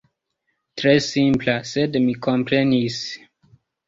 Tre simpla, sed mi komprenis.